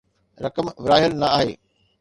رقم ورهايل نه آهي